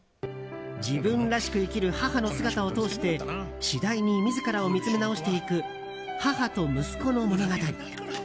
自分らしく生きる母の姿を通して次第に自らを見つめ直していく母と息子の物語。